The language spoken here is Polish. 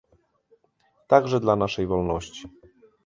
Także dla naszej wolności